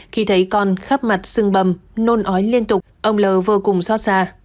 khi thấy con khắp mặt xưng bầm nôn ói liên tục ông l vô cùng xót xa